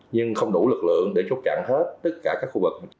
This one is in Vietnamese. nhưng không đủ lực lượng để chốt chặn hết tất cả các khu vực